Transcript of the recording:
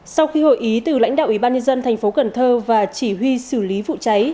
sau khi hội ý từ lãnh đạo ủy ban nhân dân thành phố cần thơ và chỉ huy xử lý vụ cháy